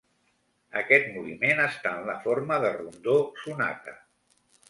Aquest moviment està en la forma de rondó sonata.